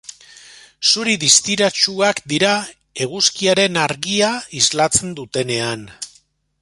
Zuri distiratsuak dira eguzkiaren argia islatzen dutenean.